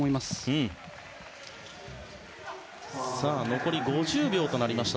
残り５０秒となりました